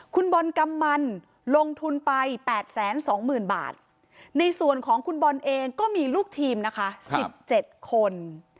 คุณบอลกำมันลงทุนไปแปดแสนสองหมื่นบาทในส่วนของคุณบอลเองก็มีลูกทีมนะคะครับสิบเจ็ดคน